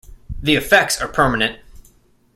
The effects are permanent.